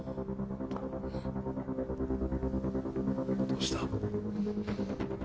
どうした？